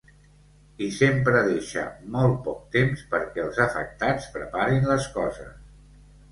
I sempre deixa molt poc temps perquè els afectats preparin les coses.